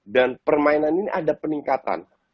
dan permainan ini ada peningkatan